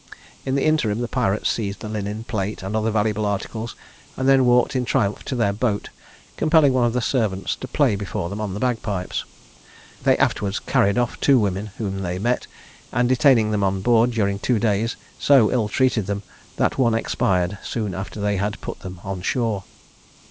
In the interim the pirates seized the linen, plate, and other valuable articles, and then walked in triumph to their boat, compelling one of the servants to play before them on the bagpipes. They afterwards carried off two women whom they met; and detaining them on board during two days, so ill treated them, that one expired soon after they had put them on shore.